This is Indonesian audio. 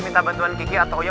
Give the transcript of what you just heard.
minta bantuan kiki atau oya